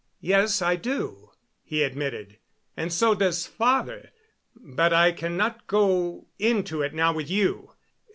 "Yes, I do," he admitted, "and so does father. But I cannot go into it now with you.